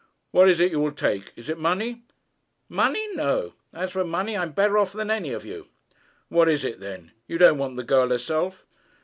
'What is it you will take? Is it money?' 'Money; no. As for money, I'm better off than any of you.' 'What is it, then? You don't want the girl herself?'